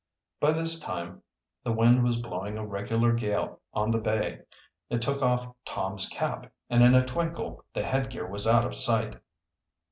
By this time the wind was blowing a regular gale on the bay. It took off Tom's cap, and in a twinkle the headgear was out of sight.